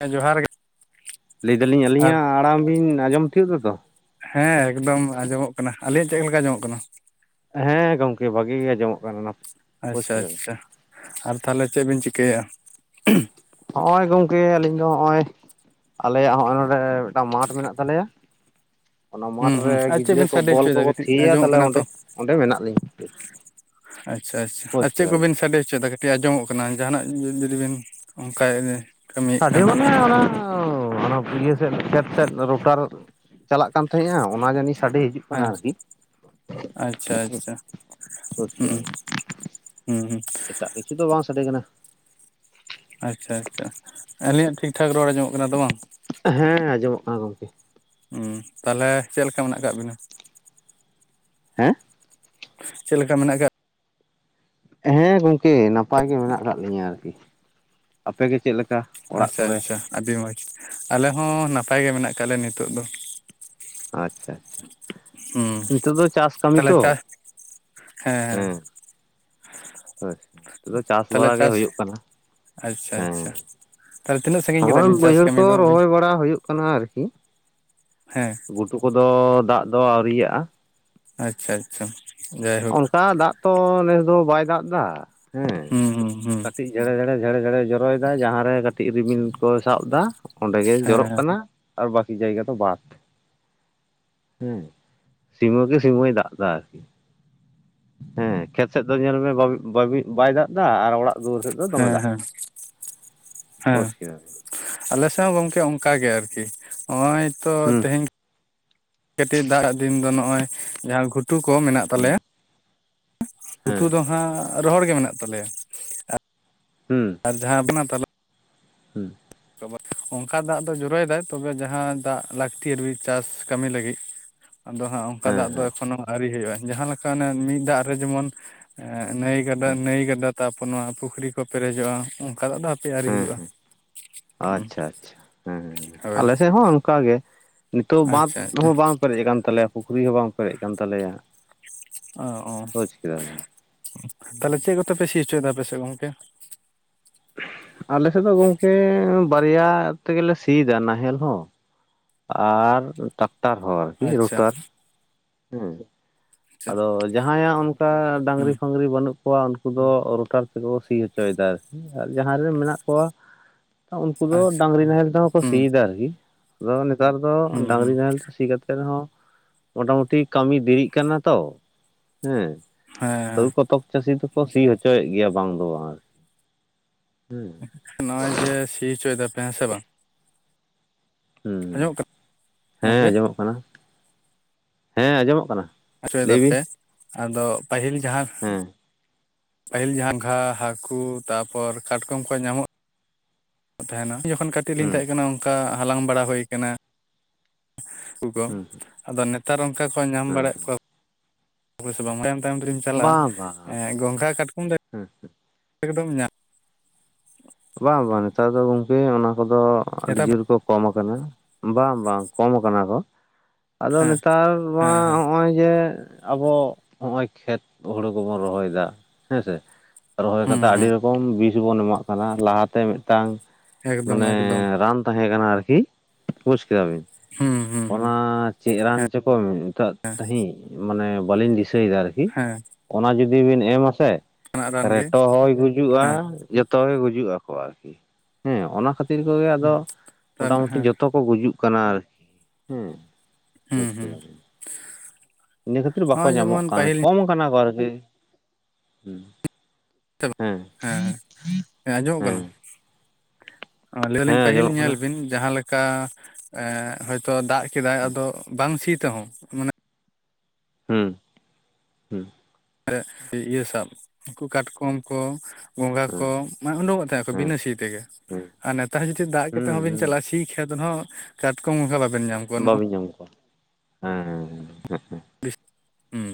ᱦᱮᱸ ᱡᱚᱦᱟᱨ ᱜᱮᱼᱼ ᱞᱟᱹᱭ ᱮᱫᱟ ᱞᱤᱧ ᱟᱹᱞᱤᱧᱟᱜ ᱟᱲᱟᱝ ᱵᱤᱱ ᱟᱸᱡᱚᱢ ᱛᱤᱭᱳ ᱫᱟᱛᱚ ᱦᱮᱸ ᱮᱠᱫᱚᱢ ᱟᱸᱡᱚᱢᱚᱜ ᱠᱟᱱᱟ ᱟᱞᱤᱧᱟᱜ ᱪᱮᱫ ᱞᱮᱠᱟ ᱟᱡᱚᱢᱚᱜ ᱠᱟᱱᱟ ᱦᱮᱸ ᱜᱚᱝᱠᱮ ᱵᱷᱟᱜᱤ ᱜᱮ ᱟᱸᱡᱚᱢᱚᱜ ᱠᱟᱱᱟ ᱯᱚᱥ ᱟᱪᱪᱷᱟ ᱠᱮᱫᱟ ᱵᱤᱱ᱾ ᱟᱪᱪᱷᱟ ᱟᱨ ᱛᱟᱦᱚᱞᱮ ᱪᱮᱫ ᱵᱤᱱ ᱪᱤᱠᱟᱹᱭᱟ ᱦᱚᱸᱜᱼᱚᱭ ᱜᱚᱝᱠᱮ ᱟᱹᱞᱤᱧ ᱫᱚ ᱦᱚᱸᱜᱼᱚᱭ ᱟᱞᱮᱭᱟᱜ ᱱᱚᱜ-ᱚᱭ ᱱᱚᱸᱰᱮ ᱢᱤᱫᱴᱟᱝ ᱢᱟᱴᱷ ᱢᱮᱱᱟᱜ ᱛᱟᱞᱮᱭᱟ ᱚᱱᱟ ᱦᱩᱸ ᱢᱟᱴᱷᱨᱮ ᱦᱩᱸ ᱟᱨ ᱪᱮᱫ ᱜᱤᱫᱽᱨᱟᱹ ᱵᱤᱱ ᱠᱚ ᱥᱟᱰᱮ ᱵᱚᱞ ᱦᱚᱪᱚᱭᱮᱫᱟ ᱠᱚᱠᱚ ᱠᱟᱹᱴᱤᱡ ᱛᱷᱤᱭᱟ ᱟᱸᱡᱚᱢᱚᱜ ᱛᱟᱦᱞᱮ ᱠᱟᱱᱟ ᱚᱸᱰᱮ ᱛᱚ ᱚᱸᱰᱮ ᱢᱮᱱᱟᱜ ᱞᱤᱧᱟ ᱟᱪᱪᱷᱟ ᱟᱪᱪᱷᱟ ᱟᱨ ᱪᱮᱫ ᱠᱚ ᱵᱤᱱ ᱥᱟᱰᱮ ᱦᱚᱪᱚᱭ ᱮᱫᱟ ᱛᱮ ᱟᱸᱡᱚᱢᱚᱜ ᱠᱟᱱᱟ ᱡᱟᱦᱟᱱᱟᱜ ᱡᱩᱫᱤ ᱵᱤᱱ ᱚᱱᱠᱟᱼᱼ ᱥᱟᱰᱮ ᱢᱟᱱᱮ ᱚᱱᱟᱼᱼ [unintelligible] ᱚᱱᱟ ᱤᱭᱟᱹ ᱥᱮᱫ ᱠᱷᱮᱛ ᱥᱮᱫ ᱨᱳᱴᱟᱨ ᱪᱟᱞᱟᱜ ᱠᱟᱱ ᱛᱟᱦᱮᱸᱫᱼᱟ ᱚᱱᱟ ᱡᱟᱹᱱᱤᱡ ᱥᱟᱰᱮ ᱦᱤᱡᱩᱜ ᱦᱮᱸ ᱠᱟᱱᱟ ᱟᱨᱠᱤ᱾ ᱟᱪᱪᱷᱟ ᱟᱪᱪᱷᱟ ᱵᱩᱡᱽ ᱦᱩᱸ ᱠᱮᱫᱟ ᱵᱤᱱ ᱦᱩᱸ ᱦᱩᱸᱼᱼ ᱮᱴᱟᱜ ᱠᱤᱪᱷᱩ ᱫᱚ ᱵᱟᱝ ᱥᱟᱰᱮ ᱠᱟᱱᱟ ᱟᱪᱪᱷᱟ ᱟᱪᱪᱷᱟ ᱟᱹᱞᱤᱧᱟᱜ ᱴᱷᱤᱠ ᱴᱷᱟᱠ ᱨᱚᱲ ᱟᱡᱚᱢᱚᱜ ᱠᱟᱱᱟ ᱛᱚ ᱵᱟᱝ ᱦᱮᱸ ᱟᱸᱡᱚᱢᱚᱜ ᱠᱟᱱᱟ ᱜᱚᱝᱠᱮ [unintelligible] ᱛᱟᱦᱚᱞᱮ ᱪᱮᱫ ᱞᱮᱠᱟ ᱢᱮᱱᱟᱜ ᱟᱠᱟᱜ ᱵᱤᱱᱟ ᱦᱮᱸ ᱪᱮᱫ ᱞᱮᱠᱟ ᱢᱮᱱᱟᱜ ᱟᱠᱟᱫ ᱦᱮᱸ ᱜᱚᱝᱠᱮ ᱱᱟᱯᱟᱭ ᱜᱮ ᱢᱮᱱᱟᱜ ᱟᱠᱟᱫ ᱞᱤᱧᱟᱹ ᱟᱨᱠᱤ ᱟᱯᱮ ᱜᱮ ᱪᱮᱫ ᱞᱮᱠᱟ ᱚᱲᱟᱜ ᱟᱪᱪᱷᱟ ᱠᱚᱨᱮ? ᱟᱪᱪᱷᱟ ᱟᱹᱰᱤ ᱢᱚᱸᱡᱽ ᱟᱞᱮ ᱦᱚᱸ ᱱᱟᱯᱟᱭ ᱜᱮ ᱢᱮᱱᱟᱜ ᱟᱠᱟᱫ ᱞᱮᱭᱟ ᱱᱤᱛᱚᱜ ᱫᱚ ᱟᱪᱪᱷᱟ ᱟᱪᱪᱷᱟ ᱦᱩᱸ ᱱᱤᱛᱳᱜ ᱫᱚ ᱪᱟᱥ ᱠᱟᱹᱢᱤ ᱛᱟᱦᱚᱞᱮ ᱛᱚ ᱪᱟᱥ ᱦᱮᱸ [inaudible] ᱦᱳᱭ ᱱᱤᱛᱚᱜ ᱫᱚ ᱪᱟᱥ ᱵᱟᱲᱟ ᱜᱮ ᱦᱩᱭᱩᱜ ᱠᱟᱱᱟ ᱟᱪᱪᱷᱟ ᱦᱮᱸ ᱟᱪᱪᱷᱟ ᱛᱟᱦᱚᱞᱮ ᱛᱤᱱᱟᱹᱜ ᱥᱟᱺᱜᱤᱧ ᱠᱮᱫᱟ ᱦᱚᱸᱜ-ᱚᱭ ᱵᱤᱱ ᱪᱟᱥ ᱵᱟᱹᱭᱦᱟᱹᱲ ᱠᱚ ᱠᱟᱹᱢᱤ ᱫᱚ ᱟᱹᱵᱤᱱ ᱨᱚᱦᱚᱭ ᱵᱟᱲᱟ ᱦᱩᱭᱩᱜ ᱠᱟᱱᱟ ᱟᱨᱠᱤᱼᱼ ᱦᱮᱸ ᱜᱷᱩᱴᱩ ᱠᱚᱫᱚ ᱫᱟᱜ ᱫᱚ ᱟᱹᱣᱨᱤᱭᱟᱜᱼᱟ ᱟᱪᱪᱷᱟ ᱟᱪᱪᱷᱟ ᱡᱟᱭᱦᱳᱠ ᱚᱱᱠᱟ ᱫᱟᱜ ᱛᱚ ᱱᱮᱥ ᱫᱚ ᱵᱟᱭ ᱫᱟᱜ ᱮᱫᱟ ᱦᱮᱸ ᱦᱩᱸ ᱦᱩᱸ ᱦᱩᱸ ᱠᱟᱴᱤᱡ ᱡᱷᱮᱸᱲᱮᱸ ᱡᱷᱮᱸᱲᱮ ᱡᱚᱨᱚᱭ ᱮᱫᱟ ᱡᱟᱦᱟᱸ ᱨᱮ ᱠᱟᱹᱴᱤᱡ ᱨᱤᱢᱤᱞ ᱠᱚ ᱥᱟᱵ ᱮᱫᱟ ᱚᱸᱰᱮ ᱜᱮ ᱡᱚᱨᱚᱜ ᱦᱮᱸ ᱠᱟᱱᱟ ᱟᱨ ᱵᱟᱠᱤ ᱡᱟᱭᱜᱟ ᱫᱚ ᱵᱟᱫ ᱦᱩᱸ ᱥᱤᱢᱚ ᱠᱤ ᱥᱤᱢᱚᱭ ᱫᱟᱜ ᱮᱫᱟ ᱟᱨᱠᱤ ᱦᱮᱸ ᱠᱷᱮᱛ ᱥᱮᱫ ᱫᱚ ᱧᱮᱞ ᱢᱮ [unintelligible] ᱵᱟᱭ ᱫᱟᱜ ᱮᱫᱟ ᱟᱨ ᱚᱲᱟᱜ ᱫᱩᱣᱟᱹᱨ ᱥᱮᱫ ᱫᱚ ᱫᱚᱢᱮ ᱦᱮᱸ ᱫᱟᱜ ᱦᱮᱸ ᱦᱮᱸ ᱵᱩᱡ ᱠᱮᱫᱟᱢ ᱠᱮᱫᱟᱢ ᱟᱞᱮ ᱥᱮᱫ ᱦᱚᱸ ᱜᱚᱢᱠᱮ ᱚᱱᱠᱟ ᱜᱮ ᱟᱨᱠᱤ ᱱᱚᱜ-ᱚᱭ ᱛᱚ ᱦᱩᱸ ᱛᱮᱦᱮᱧᱼᱼ ᱠᱟᱹᱴᱤᱡ ᱫᱟᱜ ᱫᱤᱱ ᱫᱚ ᱱᱚᱜ-ᱚᱭ ᱡᱟᱦᱟᱸ ᱜᱷᱩᱴᱩ ᱠᱚ ᱢᱮᱱᱟᱜ ᱦᱩᱸ ᱛᱟᱞᱮᱭᱟ ᱦᱮᱸ ᱩᱛᱩ ᱫᱚ ᱦᱟᱸᱜ ᱨᱚᱦᱚᱲ ᱜᱮ ᱢᱮᱱᱟᱜ ᱛᱟᱞᱮᱭᱟ ᱦᱩᱸ ᱟᱨ ᱡᱟᱦᱟᱸ ᱟᱵᱤᱱᱟᱜ ᱛᱟᱞᱟ ᱦᱩᱸ, ᱚᱱᱠᱟ ᱫᱟᱜ ᱫᱚ ᱡᱩᱨᱚᱭ ᱫᱟᱭ, ᱛᱚᱵᱮ ᱡᱟᱦᱟᱸ ᱫᱟᱜ ᱞᱟᱹᱠᱛᱤ ᱟᱨ ᱪᱟᱥ ᱠᱟᱹᱢᱤ ᱞᱟᱹᱜᱤᱫ ᱾ [inaudible] ᱟᱫᱚ ᱦᱟᱸᱜ ᱚᱱᱠᱟ ᱦᱮᱸ ᱫᱟᱜ ᱫᱚ ᱦᱮᱸ ᱮᱠᱷᱚᱱᱳ ᱟᱹᱣᱨᱤ ᱦᱩᱭᱩᱜᱼᱟ ᱾ᱡᱟᱦᱟ ᱞᱮᱠᱟ ᱚᱱᱮ ᱢᱤᱫ ᱫᱟᱜ ᱨᱮ ᱡᱮᱢᱚᱱ ᱱᱟᱹᱭ ᱜᱟᱰᱟ ᱦᱮᱸ ᱱᱟᱹᱭ ᱜᱟᱰᱟ ᱛᱟᱨᱯᱚᱨ ᱱᱚᱣᱟ ᱯᱩᱠᱷᱨᱤ ᱠᱚ ᱯᱮᱨᱮᱡᱚᱜᱟ ᱾ᱚᱱᱠᱟ ᱫᱚᱜ ᱫᱚ ᱦᱟᱯᱮ ᱟᱨᱣᱨᱤ ᱦᱮᱸ ᱦᱤᱡᱩᱜᱼᱟ᱾ ᱦᱮᱸ ᱦᱩᱸ ᱟᱪᱪᱷᱟ ᱟᱪᱪᱷᱟ, ᱦᱳᱭ ᱟᱞᱮᱥᱮᱫ ᱦᱚᱸ ᱚᱱᱠᱟ ᱜᱮ, ᱱᱤᱛᱚᱜ ᱵᱟᱸᱫ ᱟᱪᱪᱷᱟ ᱟᱪᱪᱷᱟ ᱦᱚᱸ ᱵᱟᱝ ᱯᱮᱨᱮᱡ ᱟᱠᱟᱱ ᱛᱟᱞᱮᱭᱟ ᱾ ᱯᱩᱠᱷᱨᱤ ᱦᱚᱸ ᱵᱟᱝ ᱯᱮᱨᱮᱡ ᱟᱠᱟᱱ ᱛᱟᱞᱮᱭᱟ ᱾ ᱚ ᱛᱟᱦᱞᱮ ᱪᱮᱫ ᱠᱚᱛᱮ ᱯᱮ ᱥᱤ ᱦᱚᱪᱚᱭ ᱮᱫᱟ ᱟᱯᱮ ᱥᱮᱫ ᱜᱚᱢᱠᱮ? ᱟᱞᱮ ᱥᱮᱫ ᱫᱚ ᱜᱚᱝᱠᱮ ᱵᱟᱨᱭᱟ ᱛᱮᱜᱮᱞᱮ ᱥᱤᱭ ᱫᱟ ᱱᱟᱦᱮᱞ ᱦᱚᱸ, ᱟᱨ ᱴᱟᱠᱴᱟᱨ ᱦᱚ, ᱟᱨᱠᱤ ᱟᱪᱪᱷᱟ ᱨᱩᱴᱟᱨ ᱦᱮᱸ᱾ ᱟᱪᱪᱷᱟ ᱟᱫᱚ ᱡᱟᱦᱟᱸᱭᱟᱜ ᱚᱱᱠᱟ ᱦᱩᱸ ᱰᱟᱝᱨᱤ ᱯᱷᱟᱝᱨᱤ ᱵᱟᱹᱱᱩᱜ ᱠᱚᱣᱟ ᱩᱱᱠᱩ ᱫᱚ ᱨᱚᱴᱟᱨ ᱛᱮᱠᱚ ᱥᱤ ᱦᱚᱪᱚᱭ ᱫᱟ ᱾ ᱟᱨᱠᱤ ᱟᱨ ᱡᱟᱦᱟᱸ ᱨᱮ ᱢᱮᱱᱟᱜ ᱠᱚᱣᱟ ᱩᱱᱠᱩ ᱫᱚ ᱟᱪᱪᱷᱟ ᱰᱟᱹᱝᱨᱤ ᱱᱟᱦᱮᱞ ᱛᱮᱦᱚᱸ ᱠᱚ ᱦᱩᱸ ᱥᱤᱭ ᱫᱟ, ᱟᱨᱠᱤ ᱟᱫᱚ ᱱᱮᱛᱟᱨ ᱫᱚ ᱦᱩᱸ ᱦᱩᱸ ᱰᱟᱹᱝᱨᱤ ᱱᱟᱦᱮᱞ ᱛᱮ ᱥᱤ ᱠᱟᱛᱮᱜ ᱨᱮᱦᱚᱸ ᱢᱳᱴᱟ ᱢᱩᱴᱤ ᱠᱟᱹᱢᱤ ᱫᱮᱨᱤᱜ ᱠᱟᱱᱟ ᱛᱚ, ᱦᱮᱸ ᱛᱟᱸᱣ ᱦᱮᱸ ᱠᱚᱛᱚᱠ ᱪᱟᱹᱥᱤ ᱫᱚᱠᱚ ᱥᱤ ᱦᱚᱪᱚᱭᱮᱫ ᱜᱮᱭᱟ ᱵᱟᱝ ᱫᱚ ᱵᱟᱝ ᱟᱨᱠᱤ ᱾ ᱦᱚᱜ-ᱚᱭ ᱡᱮ ᱥᱤ ᱦᱚᱪᱚᱭ ᱫᱟᱯᱮ ᱦᱮᱸ ᱥᱮ ᱵᱟᱝ? ᱦᱩᱸ, ᱟᱸᱡᱚᱢᱚᱜ ᱠᱟᱱᱟ ᱦᱮᱸ ᱜᱚᱝᱠᱮ ᱟᱸᱡᱚᱢᱚᱜ ᱠᱟᱱᱟ, ᱦᱮᱸ ᱟᱸᱡᱚᱢᱚᱜ ᱠᱟᱱᱟ ᱾ ᱦᱚᱪᱚᱭ ᱫᱟᱯᱮ ᱟᱫᱚ ᱯᱟᱹᱦᱤᱞ ᱡᱟᱦᱟᱸ ᱦᱮᱸ ᱯᱟᱹᱦᱤᱞ ᱡᱟᱷᱟ ᱜᱷᱟ ᱦᱟᱹᱠᱩ ᱛᱟᱯᱚᱨ ᱠᱟᱴᱠᱚᱢ ᱠᱚ ᱧᱟᱢᱚᱜ ᱛᱟᱦᱮᱱᱟ, ᱡᱚᱠᱷᱚᱱ ᱠᱟᱹᱴᱤᱡ ᱞᱤᱧ ᱦᱩᱸ ᱛᱟᱦᱮᱸ ᱠᱟᱱᱟ ᱚᱱᱠᱟ ᱦᱟᱞᱟᱝ ᱵᱟᱲᱟ ᱦᱩᱭ ᱠᱟᱱᱟ ᱾ ᱠᱩᱠᱚ ᱦᱩᱸ ᱟᱫᱚ ᱱᱮᱛᱟᱨ ᱚᱱᱠᱟ ᱠᱚ ᱧᱟᱢ ᱦᱩᱸ ᱵᱟᱲᱟᱭᱮᱫ ᱠᱚᱣᱟ, ᱛᱟᱭᱚᱢ ᱛᱟᱭᱚᱢ ᱫᱚᱨᱤᱧ ᱪᱟᱞᱟᱜᱼᱟ ᱵᱟᱝ ᱵᱟᱝ ᱜᱚᱝᱜᱷᱟ ᱠᱟᱴᱠᱚᱢ ᱫᱚ ᱦᱮᱸ ᱮᱠᱫᱚᱢ ᱧᱟᱢ ᱵᱟᱝ ᱵᱟᱝ, ᱱᱮᱛᱟᱨ ᱫᱚ ᱜᱚᱝᱠᱮ ᱚᱱᱟ ᱠᱚᱫᱚ ᱟᱹᱰᱤ ᱱᱮᱛᱟᱨ ᱡᱳᱨ ᱠᱚ, ᱠᱚᱢ ᱟᱠᱟᱱᱟ, ᱵᱟᱝ ᱵᱟᱝ, ᱠᱚᱢ ᱟᱠᱟᱱᱟ ᱠᱚ ᱾ ᱟᱫᱚ ᱦᱮᱸ ᱱᱮᱛᱟᱨ ᱢᱟ ᱦᱮᱸ ᱦᱮᱸ ᱦᱚᱜᱚᱭ ᱡᱮ ᱟᱵᱚ ᱦᱚᱜ-ᱚᱭ ᱠᱷᱮᱛ ᱦᱩᱲᱩ ᱠᱚᱵᱚᱱ ᱨᱚᱦᱚᱭ ᱮᱫᱟ ᱦᱮᱸ ᱥᱮ ᱨᱚᱦᱚᱭ ᱦᱩᱸ ᱠᱟᱛᱮᱫ ᱟᱹᱰᱤ ᱦᱩᱸ ᱨᱚᱠᱚᱢ ᱵᱤᱥ ᱵᱚᱱ ᱮᱢᱟᱜ ᱠᱟᱱᱟ ᱾ᱞᱟᱦᱟ ᱛᱮ ᱢᱤᱫᱴᱟᱝ ᱮᱠᱫᱚᱢ ᱢᱟᱱᱮ ᱮᱠᱫᱚᱢ ᱨᱟᱱ ᱛᱟᱦᱮᱸ ᱠᱟᱱᱟ ᱟᱨᱠᱤ, ᱵᱩᱡᱽ ᱠᱮᱫᱟᱵᱤᱱ ᱦᱩᱸ ᱦᱩᱸ ᱦᱩᱸ ᱚᱱᱟ ᱪᱮᱫ ᱨᱟᱱ ᱦᱮᱸ ᱪᱚᱠᱚ ᱢᱮᱛᱟᱜ ᱛᱟᱦᱤᱜ ᱢᱟᱱᱮ ᱵᱟᱞᱤᱧ ᱫᱤᱥᱟᱹᱭ ᱮᱫᱟ ᱟᱨᱠᱤ ᱦᱮᱸ ᱾ ᱚᱱᱟ ᱡᱩᱫᱤ ᱵᱤᱱ ᱮᱢ ᱟᱥᱮ ᱚᱱᱟ ᱨᱟᱱ ᱜᱮ ᱨᱮᱴᱚ ᱦᱚᱭ ᱜᱩᱡᱩᱜᱼᱟ ᱦᱮᱸ ᱡᱚᱛ ᱡᱚᱛᱚ ᱜᱮ ᱜᱩᱡᱩᱜ ᱟᱠᱚ ᱟᱨᱠᱤ᱾ ᱦᱮᱸ ᱚᱱᱟ ᱠᱷᱟᱹᱛᱤᱨ ᱠᱚᱜᱮ ᱟᱫᱚ ᱢᱚᱴ ᱨᱟᱱ ᱢᱩᱴᱤ ᱦᱮᱸ ᱡᱚᱛᱚ ᱠᱚ ᱜᱩᱡᱩᱜ ᱠᱟᱱᱟ ᱟᱨᱠᱤ ᱦᱮᱸ ᱦᱩᱸ ᱵᱩᱥ ᱦᱩᱸ ᱠᱮᱫᱟᱵᱤᱱ ᱾ ᱤᱱᱟᱹ ᱠᱷᱟᱹᱛᱤᱨ ᱵᱟᱠᱚ ᱱᱚᱜᱼᱚᱭ ᱧᱟᱢᱚᱜ ᱡᱮᱢᱚᱱ ᱠᱟᱱᱟ, ᱯᱟᱹᱦᱤᱞ ᱠᱚᱢ ᱠᱟᱱᱟ ᱠᱚ ᱟᱨᱠᱮ ᱦᱩᱸ ᱾ [inaudible] ᱦᱮᱸ ᱟᱸᱡᱚᱢᱚᱜ ᱦᱮᱸ ᱠᱟᱱᱟ ᱾ ᱞᱟᱹᱭ ᱦᱮᱸ ᱫᱟᱞᱤᱧ ᱯᱟᱹᱦᱤᱞ ᱟᱸᱡᱚᱢᱚᱜ ᱧᱮᱞ ᱠᱟᱱᱟ ᱵᱤᱱ ᱡᱟᱦᱟᱸᱞᱮᱠᱟ ᱦᱳᱭ ᱛᱚ ᱫᱟᱜ ᱠᱮᱫᱟᱭ ᱟᱫᱚ ᱵᱟᱝ ᱥᱤ ᱛᱮᱦᱚᱸ ᱢᱟᱱᱮ ᱦᱩᱸ, ᱦᱩᱸ ᱤᱭᱟᱹ ᱥᱟᱵ ᱩᱱᱠᱩ ᱠᱟᱴᱠᱚᱢ ᱠᱚ ᱜᱚᱸᱝᱷᱟ ᱦᱩᱸ ᱠᱚ ᱢᱟᱱᱮ ᱩᱰᱩᱠᱚᱜ ᱛᱟᱦᱮᱱ ᱠᱚ, ᱦᱩᱸ ᱵᱤᱱᱟᱹ ᱥᱤ ᱛᱮᱜᱮ ᱦᱩᱸ ᱾ ᱟᱨ ᱱᱮᱛᱟᱨ ᱡᱩᱫᱤ ᱫᱟᱜ ᱠᱟᱛᱮ ᱦᱩᱸ ᱦᱚᱸᱵᱮᱱ ᱪᱟᱞᱟᱜ-ᱟ ᱦᱩᱸ ᱾ᱥᱤ ᱠᱷᱮᱛ ᱦᱚᱸ ᱠᱟᱴᱠᱚᱢ ᱦᱚ ᱵᱟᱵᱮᱱ ᱧᱟᱢ ᱠᱚᱣᱟ ᱱᱚᱜᱼᱚ ᱵᱟᱵᱤᱱ ᱧᱟᱢ ᱠᱚᱣᱟ, ᱦᱮᱸ ᱦᱮᱸ ᱾ ᱦᱩᱸ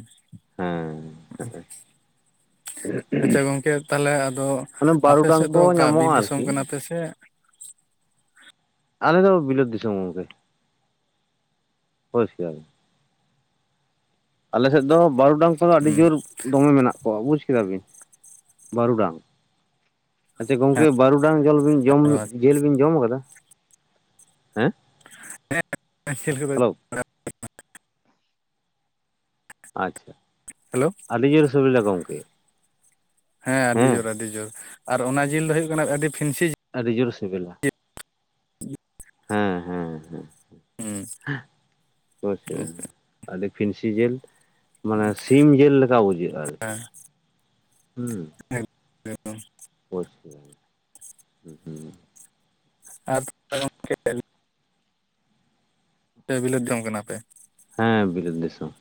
᱾ ᱟᱪᱪᱷᱟ ᱜᱚᱝᱠᱮ ᱛᱟᱦᱞᱮ ᱟᱫᱚ ᱚᱱᱮ ᱟᱯᱮ ᱵᱟᱹᱨᱩᱰᱟᱝ ᱥᱮᱫ ᱫᱚ ᱠᱚ ᱚᱠᱟ ᱵᱤᱨ ᱧᱟᱢᱚᱜᱼᱟ ᱫᱤᱥᱚᱢ ᱟᱨᱠᱤ ᱠᱟᱱᱟᱯᱮ ᱥᱮ ᱟᱞᱮ ᱫᱚ ᱵᱤᱞᱟᱹᱛ ᱫᱤᱥᱚᱢ ᱜᱚᱝᱠᱮ᱾ ᱦᱳᱭ ᱥᱮ᱾ ᱟᱞᱮ ᱥᱮᱫ ᱫᱚ ᱵᱟᱨᱩᱰᱟᱝ ᱠᱚᱦᱚᱸ ᱟᱹᱰᱤ ᱦᱩᱸ ᱡᱳᱨ ᱫᱚᱢᱮ ᱢᱮᱱᱟᱜ ᱠᱚᱣᱟ ᱵᱩᱡᱽ ᱠᱮᱫᱟᱵᱤᱱ ᱵᱟᱨᱩᱰᱟᱝ᱾ ᱟᱪᱪᱷᱟ ᱜᱚᱝᱠᱮ ᱦᱮᱸ ᱵᱟᱨᱩᱰᱟᱝ ᱡᱚᱞ ᱵᱤᱱ ᱡᱚᱢ ᱡᱮᱞ ᱵᱤᱱ ᱡᱚᱢ ᱟᱠᱟᱫᱟ? ᱦᱮᱸ ᱦᱮᱸ [unintelligible] ᱦᱮᱞᱳ ᱟᱪᱪᱷᱟ ᱦᱮᱞᱳ ᱟᱹᱰᱤ ᱡᱳᱨ ᱥᱤᱵᱤᱞᱟ ᱜᱚᱝᱠᱮ ᱾ ᱦᱮᱸ ᱟᱹᱰᱤ ᱡᱳᱨ ᱟᱹᱰᱤ ᱡᱳᱨ ᱟᱨ ᱚᱱᱟ ᱡᱤᱞ ᱫᱚ ᱦᱳᱭᱳᱜ ᱠᱟᱱᱟ ᱟᱹᱰᱤ ᱯᱷᱤᱱᱥᱤ ᱟᱹᱰᱤ ᱡᱳᱨ ᱥᱤᱵᱤᱞᱟ, ᱦᱮᱸ ᱦᱮᱸ ᱦᱮᱸ ᱦᱩᱸ ᱦᱳᱭ ᱥᱮ ᱟᱹᱰᱤ ᱯᱷᱤᱱᱥᱤ ᱡᱮᱹᱞ᱾ ᱢᱟᱱᱮ ᱥᱤᱢ ᱡᱮᱹᱞ ᱞᱮᱠᱟ ᱵᱩᱡᱷᱟᱹᱜᱼᱟ ᱟᱨᱠᱤ ᱦᱩᱸ᱾ ᱮᱠ-ᱮᱠᱫᱚᱢ ᱾ [unintelligible] ᱦᱩᱸ ᱦᱩᱸ᱾ ᱟᱨ [unintelligible] ᱥᱮ ᱵᱤᱞᱟᱹᱛ ᱡᱚᱝ ᱠᱟᱱᱟᱯᱮ? ᱦᱮᱸ ᱵᱤᱞᱟᱹᱛ ᱫᱤᱥᱚᱢ᱾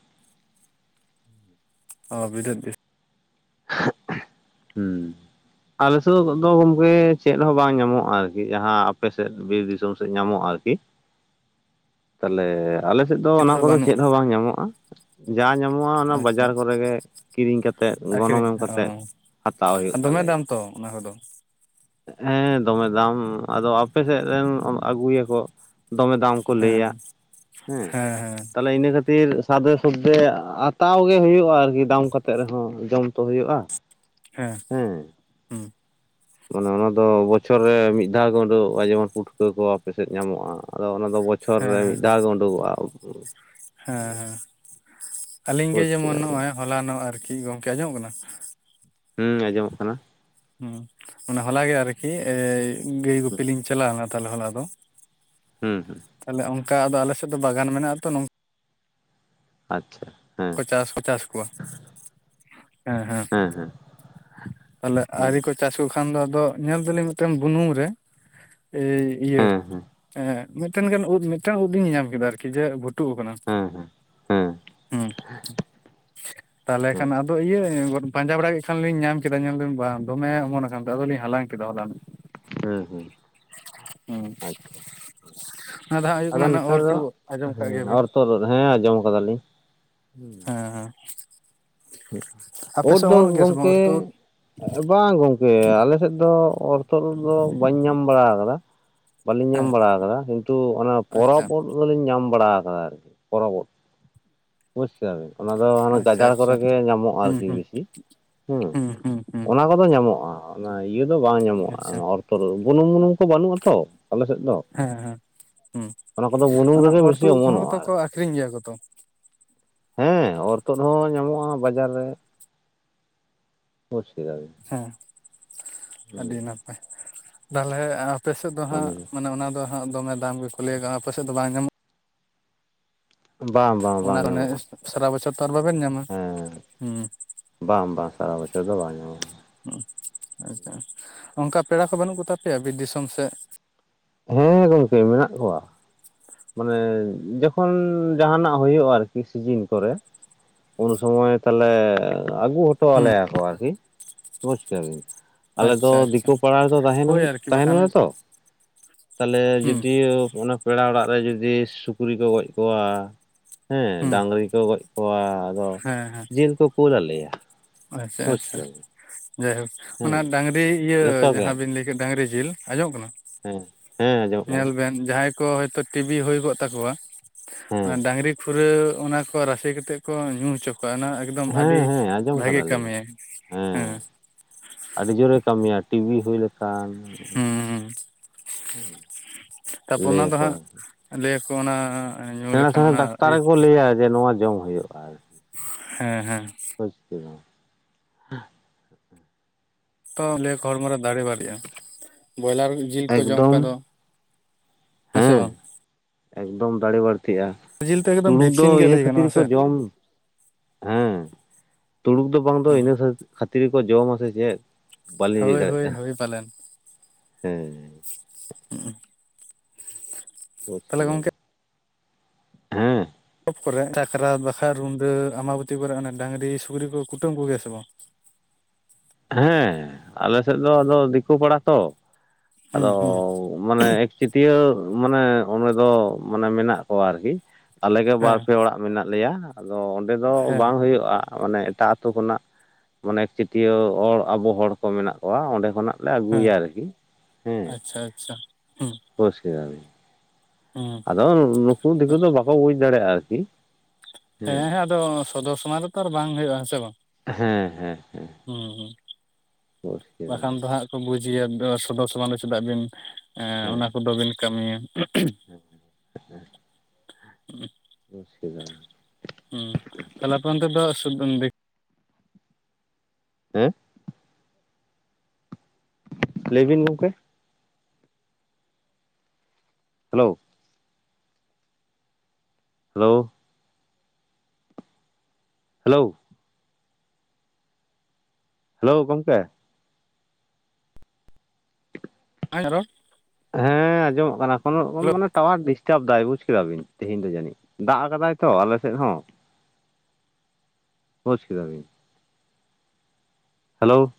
ᱚ ᱵᱤᱞᱟᱹᱛ ᱜᱮ ᱾ [unintelligible] ᱦᱩᱸ᱾ ᱟᱞᱮ ᱥᱮᱫ ᱫᱚ ᱜᱚᱝᱠᱮ ᱪᱮᱫ ᱦᱚᱸ ᱵᱟᱝ ᱧᱟᱢᱚᱜᱼᱟ ᱟᱨᱠᱤ᱾ ᱡᱟᱦᱟᱸ ᱟᱯᱮ ᱥᱮᱫ ᱵᱤᱨ ᱫᱤᱥᱚᱢ ᱥᱮᱫ ᱧᱟᱢᱚᱜᱼᱟ ᱟᱨᱠᱤ᱾ ᱛᱟᱦᱞᱮ ᱟᱞᱮ ᱥᱮᱫ ᱫᱚ ᱚᱱᱟ ᱠᱚᱫᱚ ᱪᱮᱫ ᱦᱚᱸ ᱵᱟᱝ ᱧᱟᱢᱚᱜᱼᱟ᱾ ᱡᱟ ᱧᱟᱢᱚᱜᱼᱟ ᱚᱱᱟ ᱟᱪᱪᱷᱟ ᱵᱟᱡᱟᱨ ᱠᱚᱨᱮ ᱜᱮ ᱠᱤᱨᱤᱧ ᱠᱟᱛᱮᱜ ᱜᱚᱱᱚᱝ ᱟᱹᱠᱷᱨᱤᱧ ᱮᱢ ᱚ ᱠᱟᱛᱮᱜ᱾ ᱦᱟᱛᱟᱣ ᱦᱳᱭᱳᱜ ᱫᱚᱢᱮ ᱫᱟᱢ ᱛᱚ ᱚᱱᱟ ᱠᱚᱫᱚ᱾ ᱦᱮᱸ ᱫᱚᱢᱮ ᱫᱟᱢ ᱟᱫᱚ ᱟᱯᱮ ᱥᱮᱫ ᱨᱮᱱ ᱟᱹᱜᱩᱭᱟᱠᱚ ᱫᱚᱢᱮ ᱫᱟᱢ ᱠᱚ ᱞᱟᱹᱭᱟ ᱦᱮᱸ ᱦᱮᱸ ᱛᱟᱦᱞᱮ ᱤᱱᱟᱹ ᱠᱷᱟᱹᱛᱤᱨ ᱥᱟᱫᱮ ᱥᱚᱫᱫᱮ ᱦᱟᱛᱟᱣ ᱜᱮ ᱦᱩᱭᱩᱜᱼᱟ ᱟᱨᱠᱤ ᱫᱟᱢ ᱠᱟᱛᱮ ᱨᱮᱦᱚᱸ ᱡᱚᱢ ᱛᱚ ᱦᱩᱭᱩᱜᱼᱟ᱾ ᱦᱮᱸ᱾ ᱦᱮᱸᱻ᱾ ᱦᱩᱸ ᱢᱟᱱᱮ ᱚᱱᱟ ᱫᱚ ᱵᱚᱪᱷᱚᱨ ᱨᱮ ᱢᱤᱫ ᱫᱷᱟᱣ ᱜᱮ ᱩᱰᱩᱠᱚᱜᱼᱟ, ᱡᱮᱢᱚᱱ ᱯᱩᱴᱠᱟᱹ ᱠᱚ ᱟᱯᱮ ᱥᱮᱫ ᱧᱟᱢᱚᱜᱼᱟ᱾ ᱟᱫᱚ ᱚᱱᱟ ᱫᱚ ᱵᱚᱪᱷᱚᱨ ᱦᱮᱸ ᱨᱮ ᱦᱮᱸ ᱢᱤᱫ ᱫᱷᱟᱣ ᱜᱮ ᱳᱰᱳᱠᱚᱜᱼᱟ᱾ ᱦᱮᱸ ᱟᱹᱞᱤᱧ ᱜᱮ ᱵᱩᱡᱽ ᱠᱮᱫᱟ ᱡᱮᱢᱚᱱ ᱵᱤᱱ ᱱᱚᱸᱜᱼᱚᱭ ᱦᱚᱞᱟᱱᱚᱜ ᱟᱨᱠᱤ ᱜᱚᱝᱠᱮ ᱟᱸᱡᱚᱢᱚᱜ ᱠᱟᱱᱟ? ᱦᱩᱸ ᱟᱸᱡᱚᱢᱚᱜ ᱠᱟᱱᱟ᱾ ᱦᱩᱸ ᱚᱱᱟ ᱦᱚᱞᱟ ᱜᱮ ᱟᱨᱠᱤ ᱜᱟᱹᱭ ᱜᱩᱯᱤ ᱞᱤᱧ ᱪᱟᱞᱟᱣ ᱞᱮᱱᱟ ᱛᱟᱦᱞᱮ ᱦᱚᱞᱟ ᱫᱚ᱾ ᱦᱩᱸ ᱦᱩᱸ᱾ ᱛᱟᱦᱞᱮ ᱚᱝᱠᱟ ᱟᱫᱚ ᱟᱞᱮ ᱥᱮᱫ ᱫᱚ ᱵᱟᱜᱟᱱ ᱢᱮᱱᱟᱜᱼᱟ ᱛᱚ ᱱᱚᱝ ᱟᱪᱪᱷᱟ ᱦᱮᱸ᱾ ᱪᱟᱥ ᱠᱚ ᱪᱟᱥ ᱠᱚᱣᱟ ᱦᱮᱸ ᱦᱮᱸ᱾ ᱛᱟᱦᱞᱮ ᱦᱩᱸ ᱟᱣᱨᱤ ᱠᱚ ᱪᱟᱥ ᱠᱚ ᱠᱷᱟᱱ ᱫᱚ ᱟᱫᱚ ᱧᱮᱞ ᱫᱟᱞᱤᱧ ᱢᱤᱫᱴᱮᱱ ᱵᱩᱱᱩᱢ ᱨᱮ ᱮᱭ ᱤᱭᱟᱹ ᱦᱮᱸ ᱦᱮᱸ ᱮᱸ ᱢᱤᱫᱴᱮᱱ ᱜᱟᱱ ᱩᱫ ᱢᱤᱫᱴᱟᱝ ᱩᱫ ᱞᱤᱧ ᱧᱮᱧᱟᱢ ᱠᱮᱫᱟ ᱟᱨᱠᱤ ᱡᱮ ᱵᱷᱩᱴᱩᱜ ᱟᱠᱟᱱᱟ᱾ ᱦᱮᱸ ᱦᱮᱸ ᱦᱮᱸ᱾ ᱦᱩᱸ ᱛᱟᱦᱞᱮ ᱠᱷᱟᱱ ᱟᱪᱪᱷᱟ ᱟᱫᱚ ᱤᱭᱟᱹ ᱯᱟᱸᱡᱟ ᱵᱟᱲᱟ ᱠᱮᱫ ᱠᱷᱟᱱ ᱞᱤᱧ ᱧᱟᱢ ᱠᱮᱫᱟ, ᱧᱮᱞ ᱫᱟᱞᱤᱧ ᱵᱟᱝ ᱫᱚᱢᱮ ᱚᱢᱚᱱ ᱟᱠᱟᱱᱛᱮ ᱟᱫᱚ ᱞᱤᱧ ᱦᱟᱞᱟᱝ ᱠᱮᱫᱟ ᱦᱚᱞᱟᱱᱚᱜ᱾ ᱦᱮᱸ ᱦᱮᱸ ᱦᱩᱸ᱾ ᱟᱪᱪᱷᱟ ᱚᱱᱟ ᱫᱚ ᱦᱟᱸᱜ ᱦᱩᱭᱩᱜ ᱟᱫᱚ ᱠᱟᱱᱟ ᱱᱚᱣᱟ ᱱᱮᱛᱟᱨ ᱫᱚ ᱚᱨᱛᱩᱜ ᱩᱫ ᱟᱸᱡᱚᱢ ᱠᱟᱜ ᱦᱮᱸ ᱜᱮᱭᱟᱵᱤᱱ᱾ ᱚᱨ ᱦᱮᱸ ᱟᱸᱡᱚᱢ ᱠᱟᱫᱟᱞᱤᱧ᱾ ᱦᱮᱸ ᱦᱮᱸ᱾ ᱟᱯᱮ ᱳᱫ ᱥᱮᱫ ᱫᱚ ᱚᱢᱚᱱᱚᱜ ᱜᱮᱭᱟ ᱥᱮ ᱵᱟᱝ ᱜᱚᱝᱠᱮ᱾ ᱩᱨᱛᱩᱫ ᱵᱟᱝ ᱜᱚᱝᱠᱮ ᱟᱞᱮ ᱥᱮᱫ ᱫᱚ ᱚᱨᱛᱳᱫ ᱳᱫ ᱫᱚ ᱵᱟᱹᱧ ᱧᱟᱢ ᱵᱟᱲᱟ ᱟᱠᱟᱫᱟ᱾ ᱵᱟᱹᱞᱤᱧ ᱧᱟᱢ ᱦᱮᱸ ᱵᱟᱲᱟ ᱟᱠᱟᱫᱟ ᱠᱤᱱᱛᱩ ᱚᱱᱟ ᱟᱪᱪᱷᱟ ᱯᱚᱨᱚᱵ ᱳᱫ ᱫᱚᱞᱤᱧ ᱧᱟᱢ ᱵᱟᱲᱟ ᱟᱠᱟᱫᱟ ᱟᱨᱠᱤ ᱯᱚᱨᱚᱵᱽ ᱳᱫ᱾ ᱵᱩᱡᱽ ᱠᱮᱫᱟᱵᱤᱱ ᱚᱱᱟ ᱫᱚ ᱦᱟᱱᱮ ᱟᱪᱪᱷᱟ ᱜᱟᱡᱟᱲ ᱟᱪᱪᱷᱟ ᱠᱚᱨᱮ ᱜᱮ ᱧᱟᱢᱚᱜ-ᱟ ᱦᱩᱸ ᱟᱨᱠᱤ ᱦᱩᱸ ᱵᱮᱥᱤ ᱦᱩᱸ᱾ ᱦᱩᱸ ᱦᱩᱸ ᱚᱱᱟ ᱠᱚᱫᱚ ᱧᱟᱢᱚᱜ-ᱟ᱾ ᱚᱱᱟ ᱤᱭᱟᱹ ᱫᱚ ᱵᱟᱝ ᱧᱟᱢᱚᱜ-ᱟ ᱟᱪᱪᱷᱟ ᱚᱱᱟ ᱚᱨᱛᱩᱫ ᱤᱝ, ᱵᱩᱱᱩᱢ-ᱢᱩᱱᱩᱢ ᱠᱚ ᱵᱟᱹᱱᱩᱜ-ᱟ ᱛᱚ ᱟᱞᱮᱥᱮᱫ ᱫᱚ᱾ ᱦᱮᱸ ᱦᱮᱸ ᱦᱩᱸ, ᱚᱱᱟ ᱠᱚᱫᱚ ᱵᱩᱱᱩᱢ ᱚᱱᱟ ᱨᱮᱜᱮ ᱵᱮᱥᱤ ᱚᱨᱛᱩᱫ ᱠᱚᱦᱚᱸ ᱚᱢᱚᱱᱚᱜᱼᱟ ᱛᱚᱠᱚ ᱟᱨᱠᱤ᱾ ᱟᱠᱷᱨᱤᱧ ᱜᱮᱭᱟ ᱠᱚᱛᱚ? ᱦᱮᱸ ᱚᱨ ᱛᱩᱫ ᱦᱚᱸ ᱧᱟᱢᱚᱜ-ᱟ ᱵᱟᱡᱟᱨ ᱨᱮ᱾ ᱵᱩᱡᱽ ᱠᱮᱫᱟᱵᱮᱱ᱾ ᱦᱮᱸ ᱟᱹᱰᱤ ᱱᱟᱯᱟᱭ ᱛᱟᱦᱞᱮ, ᱟᱨ ᱟᱯᱮ ᱥᱮᱫ ᱫᱚ ᱦᱟᱸᱜ ᱢᱟᱱᱮ ᱚᱱᱟ ᱫᱚ ᱦᱟᱸᱜ ᱫᱚᱢᱮ ᱫᱟᱢ ᱜᱮ ᱠᱚ ᱞᱟᱹᱭᱟ, ᱟᱯᱮ ᱥᱮᱫ ᱫᱚ ᱵᱟᱝ ᱧᱟᱢᱚᱜ-ᱟ? ᱵᱟᱝ ᱵᱟᱝ ᱚᱱᱟ ᱵᱟᱝ ᱧᱟᱢᱚᱜᱼᱟ ᱨᱟᱱᱮᱥ ᱥᱟᱨᱟ ᱵᱚᱪᱷᱚᱨ ᱛᱚ ᱟᱨ ᱵᱟᱵᱮᱱ ᱧᱟᱢᱟ ᱦᱮᱸ ᱦᱩᱸ᱾ ᱵᱟᱝ ᱵᱟᱝ ᱥᱟᱨᱟ ᱵᱚᱪᱷᱚᱨ ᱫᱚ ᱵᱟᱝ ᱧᱟᱢᱚᱜ-ᱟ᱾ ᱦᱩᱸ, ᱟᱪᱪᱷᱟ, ᱚᱝᱠᱟ ᱯᱮᱲᱟ ᱠᱚ ᱵᱟᱹᱱᱩᱜ ᱠᱚ ᱛᱟᱯᱮᱭᱟ ᱵᱤᱨ ᱫᱤᱥᱚᱢ ᱥᱮᱫ? ᱦᱮᱸ ᱜᱚᱝᱠᱮ ᱢᱮᱱᱟᱜ ᱠᱚᱣᱟ᱾ ᱢᱟᱱᱮ ᱡᱚᱠᱷᱚᱱ ᱡᱟᱸᱦᱟᱱᱟᱜ ᱦᱩᱭᱩᱜ-ᱟ ᱟᱨᱠᱤ ᱥᱤᱡᱤᱱ ᱠᱚᱨᱮ᱾ ᱩᱱ ᱥᱚᱢᱚᱭ ᱛᱟᱦᱞᱮ ᱟᱹᱜᱩ ᱦᱩᱸ ᱦᱚᱴᱚᱣᱟᱞᱮᱭᱟ ᱠᱚ ᱟᱨᱠᱤ ᱵᱩᱡᱽ ᱠᱮᱫᱟᱵᱤᱱ᱾ ᱟᱞᱮ ᱫᱚ ᱟᱪᱪᱷᱟ ᱟᱪᱪᱷᱟ ᱫᱤᱠᱩ ᱯᱟᱲᱟ ᱨᱮᱫᱚ ᱛᱟᱸᱦᱮᱱ, ᱦᱳᱭ ᱟᱨᱠᱤ ᱵᱟᱠᱷᱟᱱ ᱛᱟᱸᱦᱮᱱᱟᱞᱮ ᱛᱚ᱾ ᱛᱟᱦᱞᱮ ᱦᱩᱸ ᱡᱩᱫᱤ ᱚᱱᱟ ᱯᱮᱲᱟ ᱚᱲᱟᱜ ᱨᱮ ᱡᱩᱫᱤ ᱥᱩᱠᱨᱤ ᱠᱚ ᱜᱚᱡ ᱠᱚᱣᱟ ᱦᱮᱸ ᱦᱩᱸ ᱰᱟᱝᱨᱤ ᱠᱚ ᱜᱚᱡ ᱠᱚᱣᱟ ᱟᱫᱚ ᱦᱮᱸ ᱡᱤᱞ ᱠᱚ ᱠᱳᱞᱟᱞᱮᱭᱟ᱾ ᱟᱪᱪᱷᱟ ᱟᱪᱪᱷᱟ, ᱡᱟᱭᱦᱳᱠ ᱚᱱᱟ ᱦᱮᱸ ᱰᱟᱝᱨᱤ ᱤᱭᱟᱹ ᱡᱚᱛᱚ ᱜᱮ ᱡᱟᱦᱟᱸ ᱵᱤᱱ ᱞᱟᱹᱭ ᱠᱮᱫ ᱰᱟᱝᱨᱤ ᱡᱤᱞ᱾ ᱟᱸᱡᱚᱢᱚᱜ ᱠᱟᱱᱟ? ᱦᱮᱸ᱾ ᱦᱮᱸ ᱟᱸᱡᱚᱢᱚᱜ ᱠᱟᱱᱟ ᱧᱮᱞ ᱵᱮᱱ ᱡᱟᱦᱟᱸᱭ ᱠᱚ ᱦᱚᱭᱛᱳ ᱴᱤᱵᱤ ᱦᱩᱭ ᱠᱚᱜ ᱛᱟᱠᱚᱣᱟ ᱦᱮᱸ ᱚᱱᱟ ᱰᱟᱝᱨᱤ ᱠᱷᱩᱨᱟᱹ ᱚᱱᱟ ᱠᱚ ᱨᱟᱥᱮ ᱠᱟᱛᱮᱜ ᱠᱚ ᱧᱩ ᱦᱚᱪᱚ ᱠᱚᱣᱟ᱾ ᱚᱱᱟ ᱮᱠᱫᱚᱢ ᱦᱮᱸ ᱟᱹᱰᱤ ᱦᱮᱸ ᱟᱸᱡᱚᱢ ᱵᱷᱟᱜᱤ ᱠᱟᱫᱟᱞᱤᱧ ᱠᱟᱹᱢᱤᱭᱟᱭ ᱦᱮᱸ᱾ ᱟᱹᱰᱤ ᱡᱳᱨᱮ ᱠᱟᱹᱢᱤᱭᱟ ᱴᱤᱵᱤ ᱦᱩᱭ ᱞᱮᱠᱷᱟᱱ᱾ ᱦᱩᱸ ᱦᱩᱸ ᱦᱩᱸ᱾ ᱛᱟᱯᱚᱨ ᱚᱱᱟ ᱫᱚ ᱦᱟᱸᱜ ᱞᱟᱹᱭᱟᱠᱚ ᱚᱱᱟ ᱧᱩ ᱥᱮᱬᱟ ᱞᱮᱠᱷᱟᱱ ᱥᱮᱬᱟ ᱚᱱᱟ ᱰᱟᱠᱛᱟᱨ ᱤᱭᱟᱹ ᱜᱮᱠᱚ ᱞᱟᱹᱭᱟ ᱡᱮ ᱱᱚᱣᱟ ᱡᱚᱢ ᱦᱩᱭᱩᱜ-ᱟ᱾ ᱦᱮᱸ ᱦᱮᱸ᱾ ᱦᱳᱭᱛᱳ᱾ ᱛᱚ ᱞᱟᱹᱭᱟᱠᱚ ᱦᱚᱲᱢᱚ ᱨᱮ ᱫᱟᱨᱮ ᱵᱟᱹᱲᱤᱜ-ᱟ ᱵᱚᱭᱞᱟᱨ ᱡᱤᱞ ᱠᱚ ᱡᱚᱢ ᱮᱠᱫᱚᱢ ᱠᱷᱟᱱ ᱫᱚ ᱦᱮᱸ ᱥᱮ ᱵᱟᱝ᱾ ᱮᱠᱫᱚᱢ ᱫᱟᱲᱮ ᱵᱟᱹᱲᱛᱤᱜ-ᱟ, ᱡᱤᱞ ᱛᱚ ᱮᱠᱫᱚᱢ ᱛᱩᱲᱩᱠ ᱫᱚ ᱵᱷᱮᱠᱥᱤᱱ ᱜᱮ ᱤᱱᱟᱹ ᱞᱟᱹᱭ ᱠᱷᱟᱹᱛᱤᱨ ᱜᱟᱱᱚᱜᱼᱟ ᱜᱮᱠᱚ ᱥᱮ ᱡᱚᱢ᱾ ᱦᱮᱸ ᱛᱩᱲᱩᱠ ᱫᱚ ᱵᱟᱝ ᱫᱚ ᱦᱩᱸ ᱤᱱᱟᱹ ᱠᱷᱟᱹᱛ, ᱠᱷᱟᱹᱛᱤᱨ ᱜᱮᱠᱚ ᱡᱚᱢᱟᱥᱮ ᱪᱮᱫ? ᱵᱟᱹᱞᱤᱧ ᱦᱳᱭ ᱦᱳᱭ ᱦᱳᱭ ᱯᱟᱞᱮᱱ᱾ ᱦᱩᱸ᱾ ᱵᱮᱥ ᱛᱟᱦᱚᱞᱮ ᱜᱚᱝᱠᱮ ᱜᱮᱭᱟᱢ? ᱦᱮᱸ᱾ ᱯᱚᱵ ᱠᱚᱨᱮ ᱥᱟᱠᱨᱟᱛ ᱵᱟᱠᱷᱨᱟ ᱨᱩᱸᱰᱟᱹ ᱟᱢᱟᱵᱚᱛᱤ ᱠᱚᱨᱮ ᱚᱱᱮ ᱰᱟᱝᱨᱤ ᱥᱩᱠᱨᱤ ᱠᱚ ᱠᱩᱴᱟᱹᱢ ᱠᱚᱜᱮᱭᱟ ᱥᱮ ᱵᱟᱝ? ᱦᱮᱸ ᱟᱞᱮ ᱥᱮᱫ ᱫᱚ ᱟᱫᱚ ᱫᱤᱠᱩ ᱯᱟᱲᱟ ᱛᱚ ᱦᱩᱸ ᱟᱫᱚ ᱦᱩᱸ ᱢᱟᱱᱮ ᱮᱠᱪᱟᱹᱴᱤᱭᱟᱹ ᱢᱟᱱᱮ ᱚᱸᱰᱮ ᱫᱚ ᱢᱟᱱᱮ ᱢᱮᱱᱟᱜ ᱠᱚᱣᱟ ᱟᱨᱠᱤ᱾ ᱟᱞᱮ ᱜᱮ ᱵᱟᱨ ᱦᱮᱸ ᱯᱮ ᱚᱲᱟᱜ ᱢᱮᱱᱟᱜ ᱞᱮᱭᱟ ᱟᱫᱚ ᱚᱸᱰᱮ ᱫᱚ ᱦᱮᱸ ᱵᱟᱝ ᱦᱩᱭᱩᱜ-ᱟ᱾ ᱢᱟᱱᱮ ᱮᱴᱟᱜ ᱟᱛᱳ ᱠᱷᱚᱱᱟᱜ ᱢᱟᱱᱮ ᱮᱠ ᱪᱟᱹᱴᱭᱟᱹ ᱦᱚᱲ ᱟᱵᱚ ᱦᱚᱲ ᱠᱚ ᱢᱮᱱᱟᱜ ᱠᱚᱣᱟ ᱚᱸᱰᱮ ᱠᱷᱚᱱᱟᱜ ᱞᱮ ᱦᱮᱸ ᱟᱹᱜᱩᱭᱟ ᱟᱨᱠᱤ ᱟᱪᱪᱷᱟ ᱟᱪᱪᱷᱟ ᱦᱩᱸ ᱵᱩᱡᱷ ᱠᱮᱫᱟᱵᱤᱱ [unintelligible] ᱟᱫᱚ ᱱᱩᱠᱩ ᱫᱤᱠᱩ ᱫᱚ ᱵᱟᱠᱚ ᱵᱩᱡᱽ ᱫᱟᱲᱮᱭᱟᱜᱼᱟ ᱟᱨᱠᱤ ᱦᱮᱸ ᱦᱮᱸ ᱟᱫᱚ ᱥᱚᱫᱚᱨ ᱥᱟᱢᱚᱝ ᱨᱮᱛᱚ ᱟᱨ ᱵᱟᱝ ᱦᱩᱭᱩᱜᱼᱟ ᱦᱮᱸ ᱥᱮ ᱵᱟᱝ? ᱦᱮᱸ ᱦᱮᱸ ᱦᱮᱸ ᱦᱩᱸ ᱦᱩᱸ ᱵᱟᱠᱷᱟᱱ ᱞᱤᱧ ᱫᱚ ᱦᱟᱸᱜ ᱠᱚ ᱵᱩᱡᱮᱭᱟ ᱥᱚᱫᱚᱨ ᱥᱚᱢᱟᱱ ᱫᱚ ᱪᱮᱫᱟᱜ ᱵᱤᱱ ᱮᱸ ᱦᱮᱸ ᱚᱱᱟ ᱠᱚᱫᱚ ᱵᱤᱱ ᱠᱟᱹᱢᱤᱭᱟ [unintelligible] ᱵᱩᱡᱽ ᱠᱮᱫᱟᱢ ᱦᱩᱸ ᱛᱟᱞᱦᱮ ᱟᱯᱮ ᱚᱱᱛᱮ ᱫᱚ [unintelligible] ᱦᱮᱸ? ᱞᱟᱹᱭ ᱵᱤᱱ ᱜᱚᱝᱠᱮ ᱦᱮᱞᱳ ᱦᱮᱞᱳ ᱦᱮᱞᱳ ᱦᱮᱞᱳ ᱜᱚᱝᱠᱮ [unintelligible] ᱨᱚᱲ ᱦᱮᱸ ᱟᱸᱡᱚᱢᱚᱜ ᱠᱟᱱᱟ ᱠᱚᱱᱳ ᱨᱚᱠᱚᱢ ᱢᱟᱱᱮ ᱴᱟᱣᱟᱨ ᱵᱤᱥ ᱴᱟᱵ ᱫᱟᱭ ᱵᱩᱡ ᱠᱮᱫᱟ ᱵᱤᱱ ᱛᱮᱦᱮᱧ ᱫᱚ ᱡᱟᱹᱱᱤᱡ ᱫᱟᱜ ᱠᱟᱫᱟᱭ ᱛᱚ ᱟᱞᱮ ᱥᱮᱫ ᱦᱚᱸ ᱵᱩᱡᱽ ᱠᱮᱫᱟ ᱵᱤᱱ ᱦᱮᱞᱳ